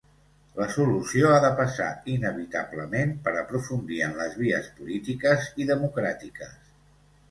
La solució ha de passar inevitablement per aprofundir en les vies polítiques i democràtiques.